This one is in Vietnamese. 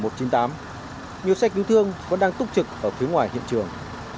nhiều xe cứu thương vẫn đang túc trực ở phía ngoài hiện trường